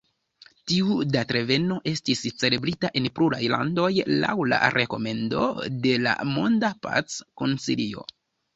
Tiu datreveno estis celebrita en pluraj landoj laŭ la rekomendo de la Monda Pac-Konsilio.